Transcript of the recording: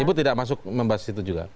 ibu tidak masuk membahas itu juga